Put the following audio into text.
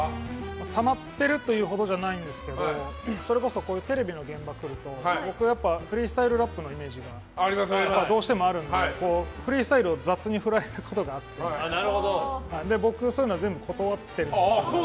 たまってるというほどじゃないんですけどそれこそ、テレビの現場来ると僕、フリースタイルラップのイメージがどうしてもあるのでフリースタイルを雑に振られることもあって僕、そういうのは全部断ってるんですけど。